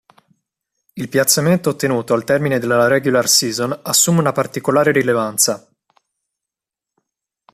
Il piazzamento ottenuto al termine della regular season assume una particolare rilevanza.